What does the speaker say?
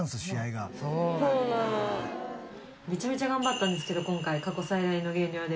めちゃめちゃ頑張ったんですけど今回過去最大の減量で。